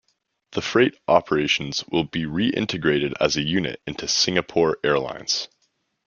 The freight operations will be reintegrated as a unit into Singapore Airlines.